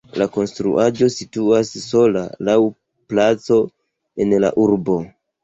La konstruaĵo situas sola laŭ placo en la urbo.